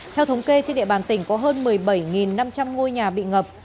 theo thống kê trên địa bàn tỉnh có hơn một mươi bảy năm trăm linh ngôi nhà bị ngập